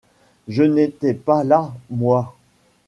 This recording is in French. Je n’étais pas là, moi.